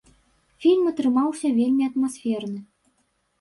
Фільм атрымаўся вельмі атмасферны.